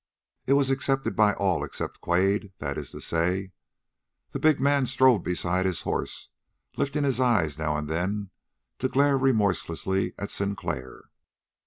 It was accepted by all except Quade, that is to say. That big man strode beside his horse, lifting his eyes now and then to glare remorselessly at Sinclair.